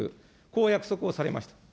こう約束をされました。